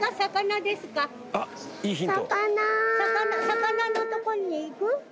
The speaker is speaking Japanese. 魚のとこに行く？